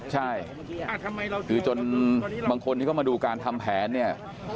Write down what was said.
ใช่คือจนบางคนที่เขามาดูการทำแผนเนี่ย